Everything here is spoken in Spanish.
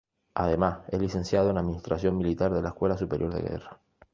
Además es licenciado en Administración Militar de la Escuela Superior de Guerra.